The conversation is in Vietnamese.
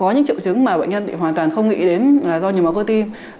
những triệu chứng mà bệnh nhân hoàn toàn không nghĩ đến là do nhồi máu cơ tim